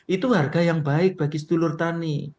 itu harga yang baik bagi sedulur tani